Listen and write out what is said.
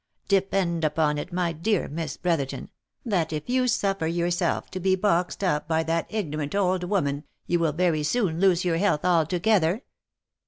Depend upon it, my dear Miss Brotherton, that if you suffer yourself to be boxed up by that ignorant old woman, you will very soon lose your health altogether.